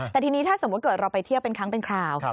แต่ทีนี้ถ้าสมมุติเกิดเราไปเที่ยวเป็นครั้งเป็นคราว